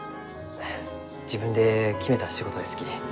自分で決めた仕事ですき。